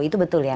itu betul ya